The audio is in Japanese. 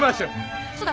そうだ。